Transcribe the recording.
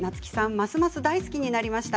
ますます大好きになりました。